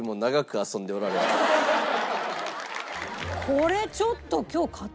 これちょっと。